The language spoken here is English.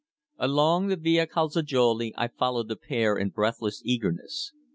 Along the Via Calzajoli I followed the pair in breathless eagerness.